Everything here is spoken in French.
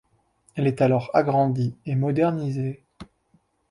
Elle est alors agrandie et modernisée.